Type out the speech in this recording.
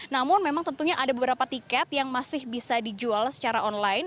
namun memang tentunya ada beberapa tiket yang masih bisa dijual secara online